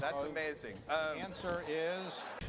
câu hỏi là